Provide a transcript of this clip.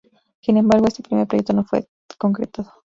Sin embargo, este primer proyecto no fue concretado.